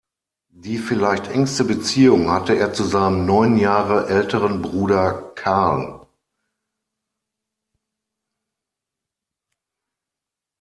Die vielleicht engste Beziehung hatte er zu seinem neun Jahre älteren Bruder Karl.